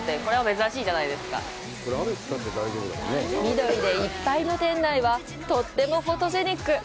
緑でいっぱいの店内はとってもフォトジェニック！